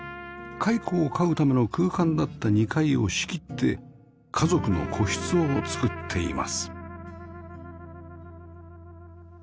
蚕を飼うための空間だった２階を仕切って家族の個室を造っています